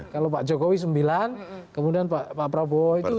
kalau pak jokowi sembilan kemudian pak prabowo itu